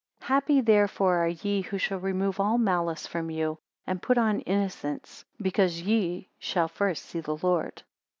247 Happy therefore are ye who shall remove all malice from you, and put on innocence; be. cause ye shall first see the Lord.